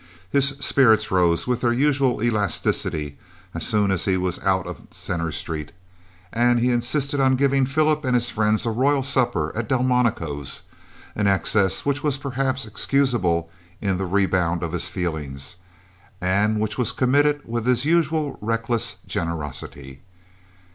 His spirits rose with their usual elasticity as soon as he was out of Centre Street, and he insisted on giving Philip and his friends a royal supper at Delmonico's, an excess which was perhaps excusable in the rebound of his feelings, and which was committed with his usual reckless generosity.